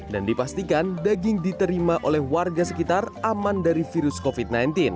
dan dipastikan daging diterima oleh warga sekitar aman dari virus covid sembilan belas